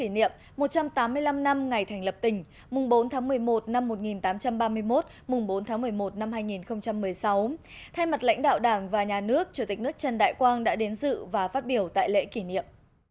thay mặt năm ngày thành lập tỉnh mùng bốn tháng một mươi một năm một nghìn tám trăm ba mươi một mùng bốn tháng một mươi một năm hai nghìn một mươi sáu thay mặt lãnh đạo đảng và nhà nước chủ tịch nước trần đại quang đã đến dự và phát biểu tại lễ kỷ niệm